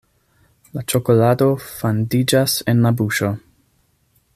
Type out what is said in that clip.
La ĉokolado fandiĝas en la buŝo.